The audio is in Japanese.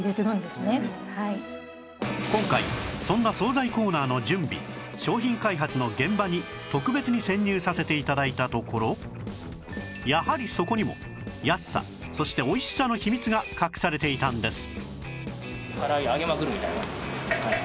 今回そんな惣菜コーナーの準備商品開発の現場に特別に潜入させて頂いたところやはりそこにも安さそして美味しさの秘密が隠されていたんです